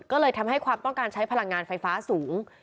ก็เลยทำให้ความต้องการใช้พลังงานไฟฟ้าสูง